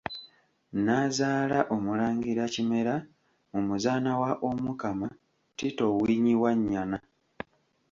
N'azaala omulangira Kimera mu muzaana wa Omukama Tito Winyi Wanyana.